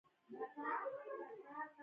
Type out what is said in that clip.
د هر چا د عزت احترام وکړئ.